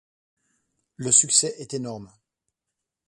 Le succès est énorme.